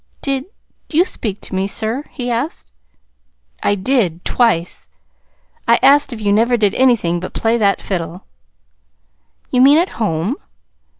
"Did you speak to me, sir?" he asked. "I did twice. I asked if you never did anything but play that fiddle." "You mean at home?"